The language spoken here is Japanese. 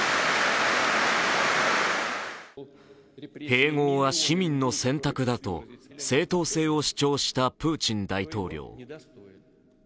併合は市民の選択だと、正当性を主張したプーチン大統領。